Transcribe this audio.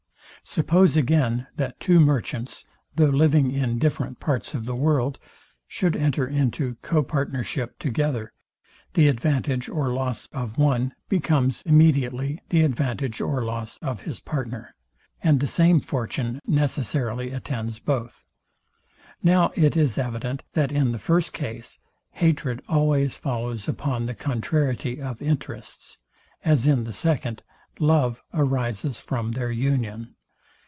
Suppose again, that two merchants, though living in different parts of the world, should enter into co partnership together, the advantage or loss of one becomes immediately the advantage or loss of his partner, and the same fortune necessarily attends both. Now it is evident, that in the first case, hatred always follows upon the contrariety of interests; as in the second, love arises from their union.